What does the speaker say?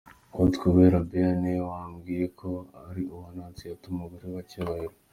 Uwitwa Uwera Béa niwe wambwiye ko ari uwa Annonciata, Umugore wa Cyubahiro.